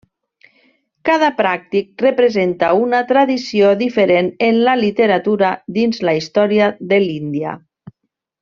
Cada pràcrit representa una tradició diferent de la literatura dins la història de l'Índia.